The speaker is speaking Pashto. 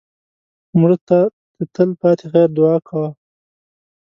مړه ته د تل پاتې خیر دعا کوه